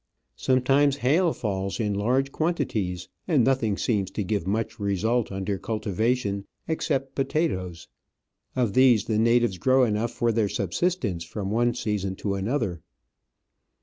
Sometimes hail falls in large quantities, and nothing seems to give much result under cultivation except potatoes ; of these the natives grow enough for their subsistence from one season to another.